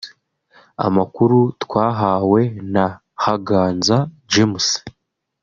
Amakuru twahawe na Haganza James